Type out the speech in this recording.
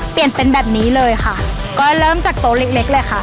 เปลี่ยนเป็นแบบนี้เลยค่ะก็เริ่มจากโต๊ะเล็กเล็กเลยค่ะ